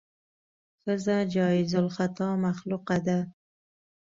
ښځه جایز الخطا مخلوقه ده.